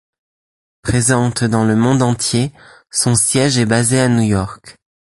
Présente dans le monde entier, son siège est basé à New York.